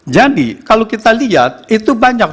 jadi kalau kita lihat itu banyak